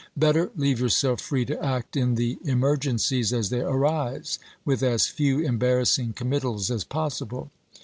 Better leave yourself free to act in the emergencies as they arise, with as few embarrassing committals as possible.